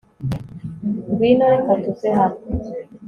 ngwino. reka tuve hano